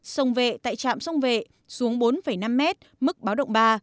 sông vệ tại trạm sông vệ xuống bốn năm m mức báo động ba